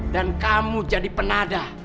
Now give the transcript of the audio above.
dan kamu jadi penada